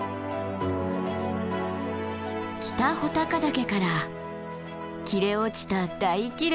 北穂高岳から切れ落ちた大キレット。